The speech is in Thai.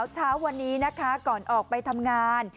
เช้าวันนี้นะคะก่อนออกไปทำงาน